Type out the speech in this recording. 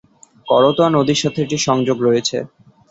করতোয়া নদীর সাথে এটির সংযোগ রয়েছে।